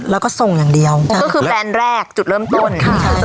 แล้วก็ส่งอย่างเดียวก็คือแบรนด์แรกจุดเริ่มต้น